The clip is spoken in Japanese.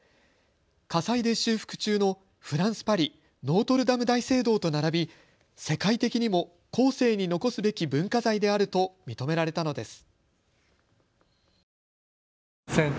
火災で修復中のフランス・パリノートルダム大聖堂と並び世界的にも後世に残すべき文化財であると認められたのです。